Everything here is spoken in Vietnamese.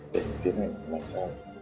để tiến hành làm sao